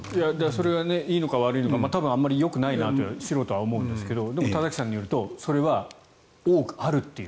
それがいいのか悪いのかあまりよくないなとは素人は思うんですが田崎さんによるとそれは多くあると。